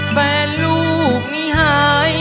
แฟนลูกมีหา